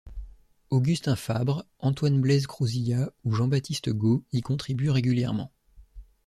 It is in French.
Augustin Fabre, Antoine-Blaise Crousillat ou Jean-Baptiste Gaut y contribuent régulièrement.